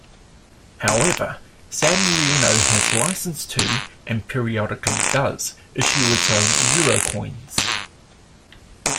However, San Marino has license to-and periodically does-issue its own euro coins.